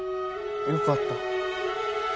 よかった